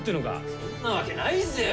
そんなわけないぜよ。